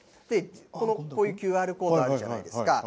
ここにＱＲコードあるじゃないですか。